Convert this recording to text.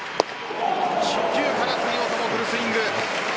初球からフルスイング。